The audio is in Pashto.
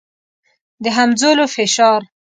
د همځولو فشار.